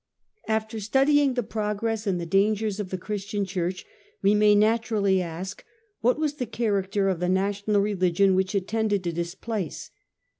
After studying the progress and the dangers of the Christian church we may naturally ask what was the character of the national religion which it tended to dis place.